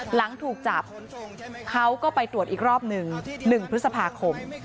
หลังถูกจับเขาก็ไปตรวจอีกรอบหนึ่ง๑พฤษภาคม